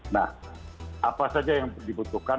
nah apa saja yang dibutuhkan